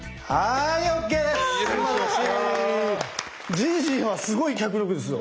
じいじはすごい脚力ですよ。